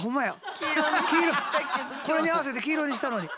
これに合わせて黄色にしたのに。